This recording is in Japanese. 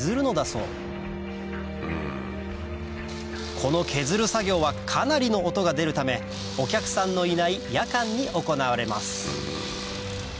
この削る作業はかなりの音が出るためお客さんのいない夜間に行われます